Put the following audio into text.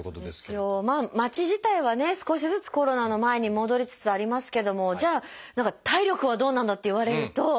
街自体はね少しずつコロナの前に戻りつつありますけどもじゃあ体力はどうなんだ？って言われると。